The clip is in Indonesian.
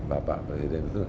bapak berbeda gitu